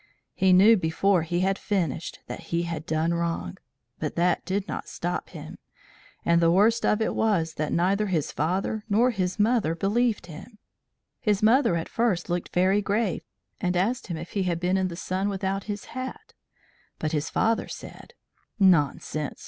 He knew before he had finished that he had done wrong, but that did not stop him. And the worst of it was that neither his father nor his mother believed him. His mother at first looked very grave, and asked him if he had been in the sun without his hat, but his father said: "Nonsense!